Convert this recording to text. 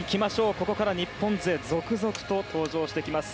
ここから日本勢が続々登場してきます。